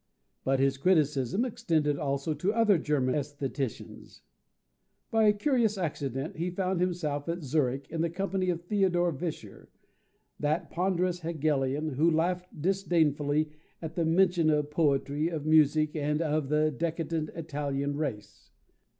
But his criticism extended also to other German aestheticians. By a curious accident, he found himself at Zurich in the company of Theodore Vischer, that ponderous Hegelian, who laughed disdainfully at the mention of poetry, of music, and of the decadent Italian race.